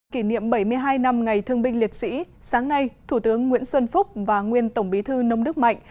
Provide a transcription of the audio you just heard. kỷ niệm bảy mươi hai năm ngày thương binh liệt sĩ sáng nay thủ tướng nguyễn xuân phúc và nguyên tổng bí thư nông đức mạnh